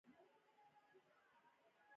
خو د نشه یي توکو کارول بد ګڼل کیږي.